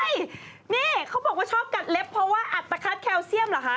นี่เขาบอกว่าชอบกัดเล็บเพราะว่าอัตภัทแคลเซียมเหรอคะ